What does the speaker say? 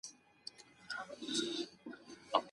د کمپیوټر کارول بې له ټایپنګ نیمګړي دي.